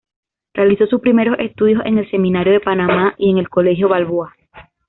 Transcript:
Realizó sus primeros estudios en el Seminario de Panamá y en el Colegio Balboa.